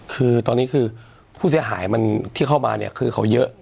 คือตอนนี้คือผู้เสียหายมันที่เข้ามาเนี่ยคือเขาเยอะ